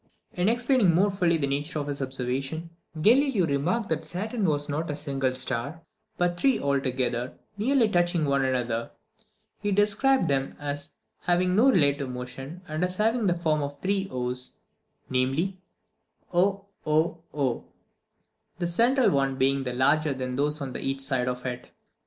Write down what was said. In explaining more fully the nature of his observation, Galileo remarked that Saturn was not a single star, but three together, nearly touching one another. He described them as having no relative motion, and as having the form of three o's, namely, oOo, the central one being larger than those on each side of it.